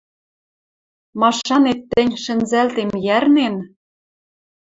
Машанет тӹнь — шӹнзӓлтем йӓрнен?